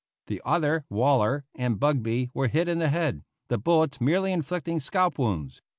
The other Waller, and Bugbee, were hit in the head, the bullets merely inflicting scalp wounds.